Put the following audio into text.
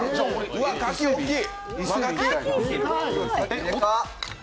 うわ、かき大きい！